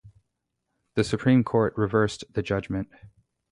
The Supreme Court reversed the judgment.